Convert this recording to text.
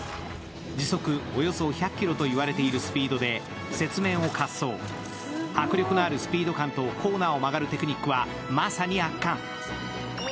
時速、およそ１００キロと言われているスピードで雪面を滑走、迫力のあるスピード感とコーナーを曲がるテクニックはまさに圧巻。